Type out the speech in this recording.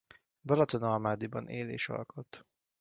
Balatonalmádiban él és alkot.